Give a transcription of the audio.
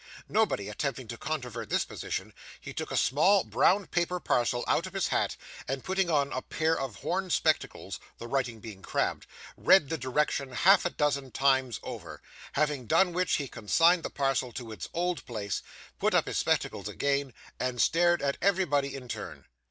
Nobody attempting to controvert this position, he took a small brown paper parcel out of his hat, and putting on a pair of horn spectacles (the writing being crabbed) read the direction half a dozen times over; having done which, he consigned the parcel to its old place, put up his spectacles again, and stared at everybody in turn.